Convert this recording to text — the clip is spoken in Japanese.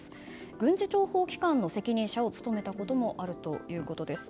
軍事諜報機関の責任者を務めたこともあるということです。